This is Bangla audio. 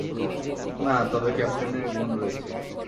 না, তবে ক্যাপ্টেনের গুণ রয়েছে।